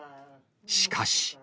しかし。